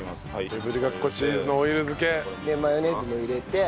いぶりがっこチーズのオイル漬！でマヨネーズも入れて。